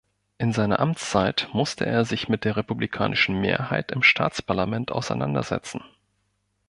In seiner Amtszeit musste er sich mit der republikanischen Mehrheit im Staatsparlament auseinandersetzen.